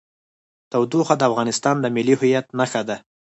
تودوخه د افغانستان د ملي هویت نښه ده.